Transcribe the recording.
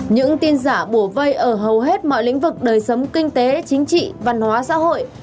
những tin giả bổ vây ở hầu hết mọi lĩnh vực đời sống kinh tế chính trị văn hóa xã hội